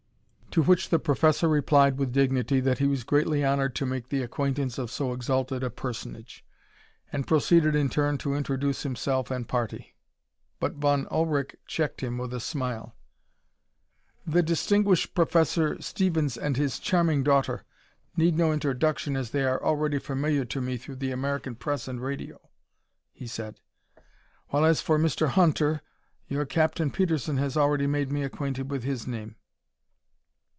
To which the professor replied with dignity that he was greatly honored to make the acquaintance of so exalted a personage, and proceeded in turn to introduce himself and party. But Von Ullrich checked him with a smile. "The distinguished Professor Stevens and his charming daughter need no introduction, as they are already familiar to me through the American press and radio," he said. "While as for Mr. Hunter, your Captain Petersen has already made me acquainted with his name."